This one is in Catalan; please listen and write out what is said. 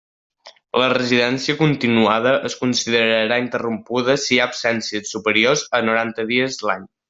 La residència continuada es considerarà interrompuda si hi ha absències superiors a noranta dies l'any.